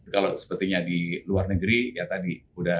kalau sepertinya di luar negeri ya tadi